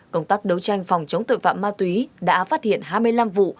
công tác đấu tranh phòng chống tội phạm ma túy đã phát hiện hai mươi năm vụ